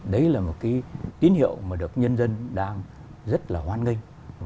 đấy là một cái tín hiệu mà được nhân dân đang rất là hoan nghênh và đón chờ